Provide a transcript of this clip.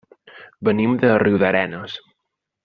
Venim de Riudarenes.